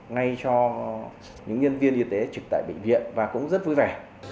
ngay cho những nhân viên y tế trực tại bệnh viện và cũng rất vui vẻ